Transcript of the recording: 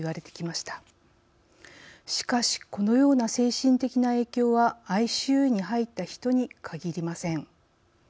しかし、このような精神的な影響はＩＣＵに入った人に限りません。